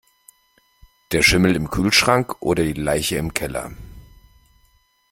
Der Schimmel im Kühlschrank oder die Leiche im Keller.